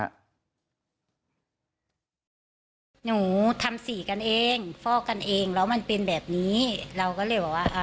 หนูทำสีกันเองฟอกกันเองแล้วมันเป็นแบบนี้เราก็เลยบอกว่าอ่า